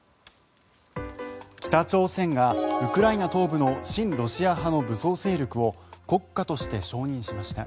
北朝鮮がウクライナ東部の親ロシア派の武装勢力を国家として承認しました。